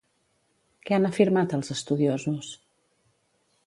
Què han afirmat els estudiosos?